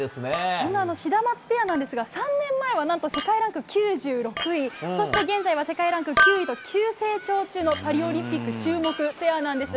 そんなシダマツペアですが３年前は、何と世界ランク９６位そして現在世界ランク９位と急成長中のパリオリンピック注目ペアです。